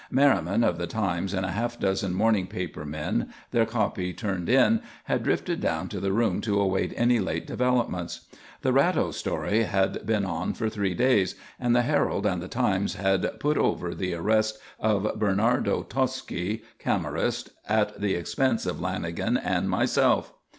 Merriman of the Times and a half dozen morning paper men, their copy turned in, had drifted down to the room to await any late developments. The Ratto story had been on for three days and the Herald and the Times had "put over" the arrest of Bernardo Tosci, Camorrist, at the expense of Lanagan and myself.